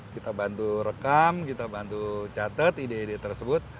kita bantu rekam kita bantu catet ide ide tersebut